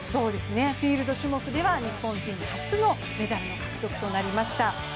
フィールド種目では日本人初のメダルの獲得となりました。